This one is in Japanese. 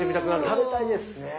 食べたいです。